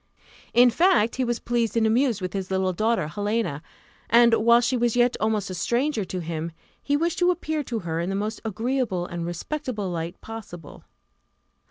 In fact, he was pleased and amused with his little daughter, Helena; and whilst she was yet almost a stranger to him, he wished to appear to her in the most agreeable and respectable light possible.